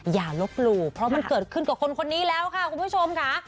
อย่าลบหลู่เพราะมันเกิดขึ้นกับคนคนนี้แล้วค่ะคุณผู้ชมค่ะ